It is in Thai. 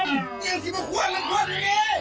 อย่างนี้สิมันควรมันควรอยู่นี่